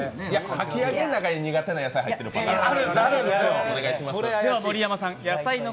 かき揚げの中に苦手な野菜が入ってるパターンもあるから。